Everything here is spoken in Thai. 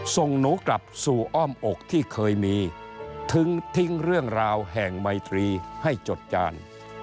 ส่งหนูกลับสู่อ้อมอกที่เคยมีถึงทิ้งเรื่องราวแห่งไมตรีให้จดจาน